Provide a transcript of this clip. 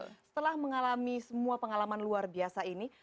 nah setelah mengalami semua pengalaman luar biasa ini